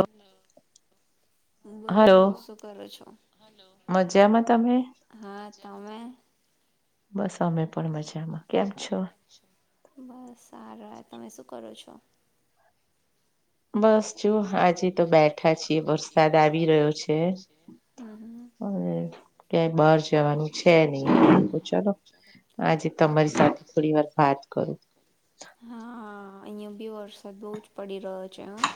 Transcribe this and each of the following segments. અ હું બોલો શું કરો છો હા તમે. બસ અમે પણ મજામાં કેમ છો? બસ સારા તમે શું કરો છો? બસ જો આજે તો બેઠા છીએ વરસાદ આવી રહ્યો છે. હ [inaudible] ક્યાય બહાર જવાનું છે નહી તો ચલો આજે તમારી સાથે થોડી વાર વાત કરું. હ [inaudible] હા હ અહીં બી વરસાદ બહુ જ પડી રહ્યો છે હ.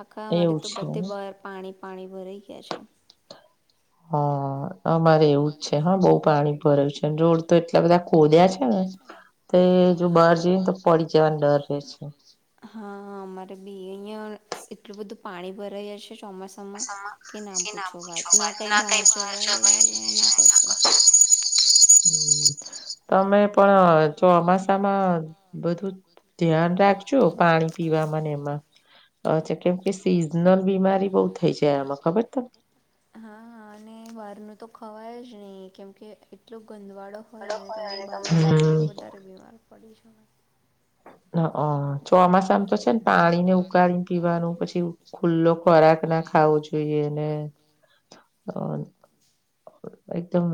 આખા આમારે તો બધે બહાર પાણી પાણી ભરાઈ ગયા છે. હા. અમારે એવું જ છે હા બહુ પાણી ભર્યું છે રોડ તો એટલા બધા ખોદ્યયા છે ને. તે જો બહાર જઈ ને તો પડી જવાનો ડર રે છે. હા અમારે બી અહીંયા એટલું બધું પાણી ભરાઈ જ છે ચોમાસા આમાં કે નામ પૂછો વાત ના કઈ બહાર જવાય ના કશું. હમ [inaudible] તમે પણ ચોમાસામાં બધું ધ્યાન રાખજો પાણી પીવામાં ને એમાં અ છે કેમ કે સિઝનલ બીમારી બઉુ થઈ જાય આમાં ખબર તમને હા હા અને બાર નુ તો ખવાય જ નહી કેમ કે એટલો ગંદવાળો હોય અને તમે બહાર ન કહો તો વધારે બીમાર પડી શને હ હ ચોમાસા આમ તો છે ને પાણી ને ઉકાળીને પીવાનું પછી ખુલ્લો ખોરાક ના ખાવું છ. જોઈએ અને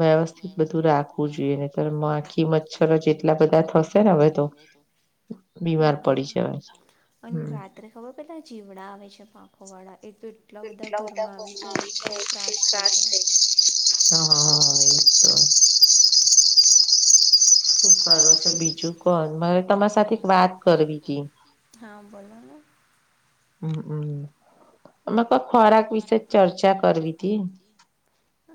એલ વ્યવસ્થિત બધું રાખવું જોઈએ, ને માખી મચ્છરો જેટલા બધા થશે ને હવે હા અને રા અ ખબર પેલા જીવડા આવે છે પાંખો વાળા એટલલે એટલા બધા ઘરમાં આવી જાય કે ત્રાસ થઇ જાય. હ હ હા એતો શું કરો છે બીજું કોણ તમારા સાથે હા બોલો ને હમ તમે કોઈ ખોરાક વિશે ચર્ચા કરવીી તથી.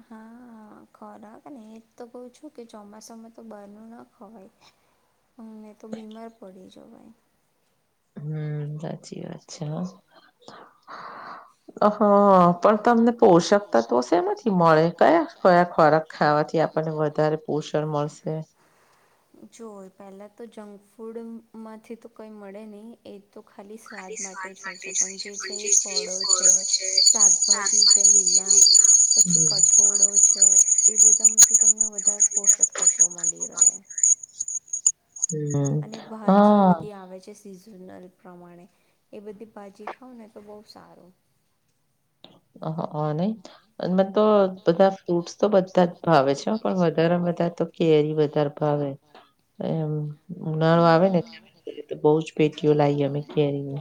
હા ખોરાક ને એ જ તો કહ છું કે ચોમાસામાં તો બરનું ના ખવાય અમને તો બીમાર પડી જ ભાઈ હમ સાચી વાત છે. હા પણ તમને પોષકતા તો શેમ મળે કયા કયા ખોરાક ખાવાથી આપણને વધારે પોષણ મળશે જો પહેલા તો જંક ફૂડમાંથી તો કંઈ મળે નહી, એ તો ખાલી સ્વાદ માટે જ હોય છે પણ જે છે એ ફળો છે. શાકભાજી છે, લીલા પછી કઠ થોડો છે એ, બધામાંથી તમને વધારે પોષક તત્વો મળી રહે હમ હા સિઝનલ પ્રમાણે એ બધી ભાજી ખાવ ને તો બહુ સારુ હ હ નહી એમાં તો બધા ફ્રૂટસ તો બધા જ ભાવે છે, પણ વધારેમાં વધારે તો કેરી વધારે ભાવે હ એમ ઉનાળો આવે ને એ બહ જ પેટીઓ લાવ અમે કેરીને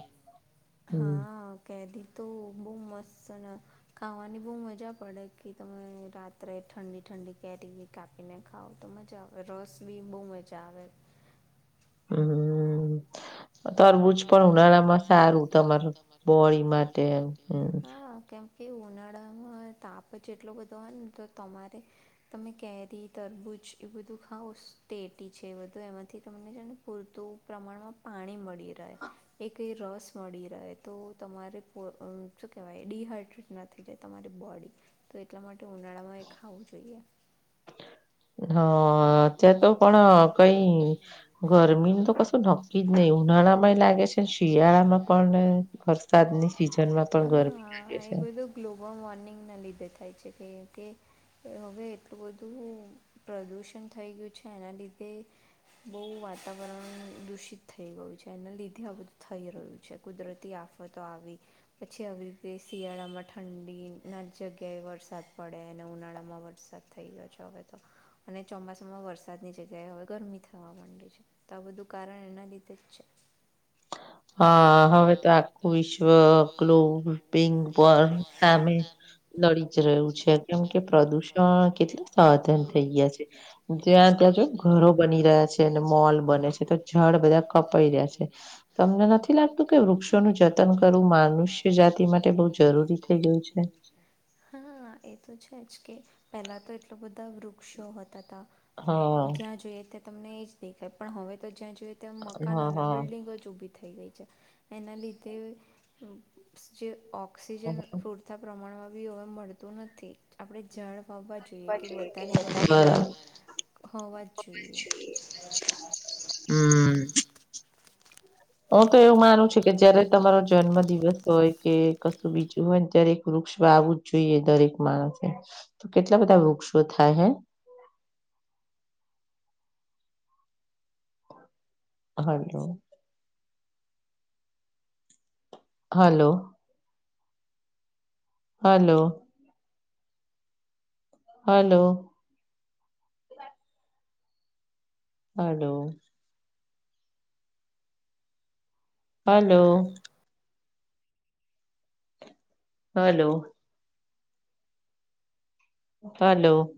હા કધી તો બહ મસ્તને ખાવાની બહ મજા પડે કે તમે રાત્રે ઠંડી ઠંડી કેરી કાપીને ખાવ તો મજા આવ રસ બી બહુ મજા આવે હમ્મ તરવુંજ પણ ઉનાળામાં સારું તમારું બોડી માટેમ હમ કે ઉનાળામાં તાપ જેટલો બધો હોય, ને તો તમારે તમે કેરી તરબૂજ એ બધું ખાાવ સ્ટેટી છે બધું એમાંથી તમને પૂરતું પ્રમાણમાં પાણી મળી રહે એ રસ મળી રહે તો તમારે શું કવાય ડડીહાઈડ્રેટ નથી જાય તમારી બોડી તો એટલા માટે ઉનાળામાં એ ખાવું જોઈએ. હા અત તો પણ કઈ ગરમી ન તો કશું નક્કી જ નહીિ ઉનાળા માં લાગે છે. શિયાળા માં પણ વરસાદની સિઝનમાં પણ ગરમી લાગે છે. ગ્લોબલ વોર્મિંગના લીધે થાય છે, કે કે હવે એટલું બધું પ્રદુષણ થઈ ગયુ છે, એના લીધે બહુ વાતાવરણ દૂષિત થઈ ગયું છે એના લીધે આ બધું થઈ રહ્યુ છે, કુદરતી આફ્ત તો આવી પછી આવી રીતે શિયાળામાં ઠંડી ના જગ્યાએ વરસાદ પડે અને ઉનાળા માં વરસાદ થઈ ગયો છે, હવે તો અને ચોમાસામાં વરસાદ વરસાદની જગ્યાએ હ ગરમી થવા માંડી છે, તો આ બધું કારણ એના લીધે જ છે. હા હવે તો આખું વિશ્વ ગ્લોબિંગ વો સામે નડીજ રહ્યું છે કેમ કે પ્રદૂષણ કેટલા સાવધન થઈ ગયા છે. ત્યાં ત્યાં જો ઘરો બની રહ્યા છે, અને મોલ બને છે તો જડ બધા કપાઈ રહ્યા છે. તમને નથી લાગતું કે વૃક્ષોનું જતન કરવું મનુષ્ય જાતિ માટે બહુ જરૂરી થઈ ગયું છે. હા એ તો છે જ કે પેલા તો એટલા બધા વૃક્ષો હતા જ્યાં જોઈએ ત્યાં તમને એ જ દેખાય પણ હવે તો જ્યાં જોઈએ- તેમ મકાનો અને બિલ્ડીંગો જ ઉભી- થઈ ગયી છે એના લીધે ઓક્સિજન પૂર- પૂરતા પ્રમાણમાં બી હવે મળતું નથી- આપણે ઝાડ વાવવા જોઈએ કે બધાને ઘરની બહાર- હમ- હું તો એવું માનું છું કે જયારે તમારો જન્મ દિવસ હોય- કે કશું બીજું હોય ને દરેક વૃક્ષ આવું જ જોઈએ દરેક માણસે- તો કેટલા બધા વૃક્ષો થાય હે- hello- hello- hello- hello- hello- hello- hello- hello-